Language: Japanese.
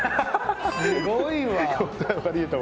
すごいわ。